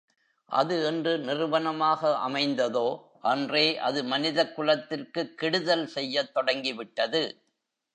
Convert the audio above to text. அது என்று நிறுவனமாக அமைந்ததோ அன்றே அது மனிதக் குலத்திற்குக் கெடுதல் செய்யத் தொடங்கிவிட்டது.